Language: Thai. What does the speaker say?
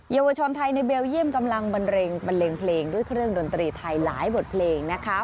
เยาวชนไทยในเบลเยี่ยมกำลังบันเลงเพลงด้วยเครื่องดนตรีไทยหลายบทเพลงนะคะ